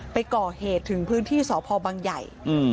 ไปก่อเหตุถึงพื้นที่สพบังใหญ่